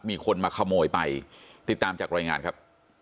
มีคนมาขโมยไปติดตามจากรายงานครับ